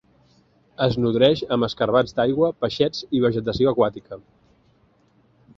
Es nodreix amb escarabats d'aigua, peixets i vegetació aquàtica.